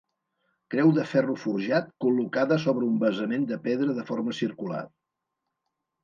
Creu de ferro forjat col·locada sobre un basament de pedra de forma circular.